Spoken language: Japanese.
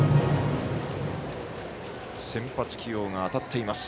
先発起用が当たっています。